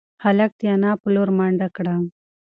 هلک د انا په لور منډه کړه.